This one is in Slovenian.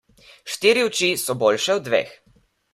Štiri oči so boljše od dveh.